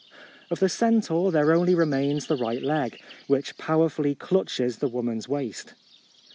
Of the centaur there only remains the right leg, which powerfully clutches the woman's waist.